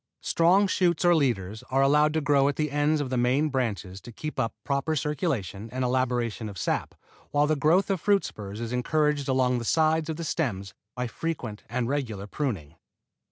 Strong shoots or leaders are allowed to grow at the ends of the main branches to keep up a proper circulation and elaboration of sap, while the growth of fruit spurs is encouraged along the sides of the stems by frequent and regular pruning.